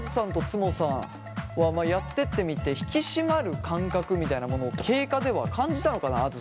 んとつもさんはやってってみて引き締まる感覚みたいなものを経過では感じたのかな？